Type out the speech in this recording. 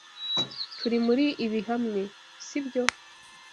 Turi muri ibi hamwe, sibyo?